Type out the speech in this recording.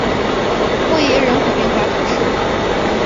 默耶人口变化图示